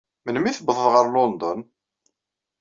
Melmi ay tuwḍeḍ ɣer London?